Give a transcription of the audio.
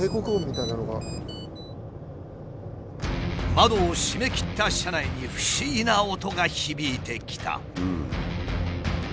窓を閉めきった車内に不思議な音が響いてきた。